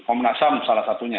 komnas ham salah satunya